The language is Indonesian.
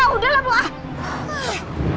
udah lah bu